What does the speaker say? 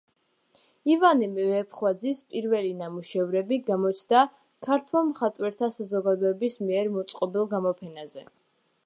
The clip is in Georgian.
ივანე ვეფხვაძის პირველი ნამუშევრები გამოჩნდა ქართველ მხატვართა საზოგადოების მიერ მოწყობილ გამოფენაზე.